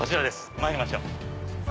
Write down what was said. まいりましょう。